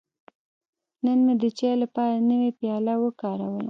نن مې د چای لپاره نوی پیاله وکاروله.